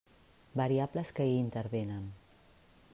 Variables que hi intervenen.